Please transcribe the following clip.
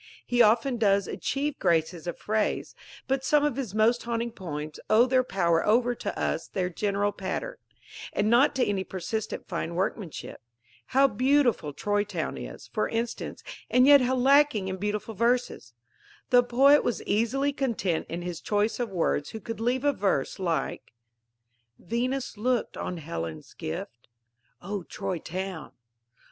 He often does achieve graces of phrase; but some of his most haunting poems owe their power over us to their general pattern, and not to any persistent fine workmanship. How beautiful Troy Town is, for instance, and yet how lacking in beautiful verses! The poet was easily content in his choice of words who could leave a verse like: Venus looked on Helen's gift; _(O Troy Town!)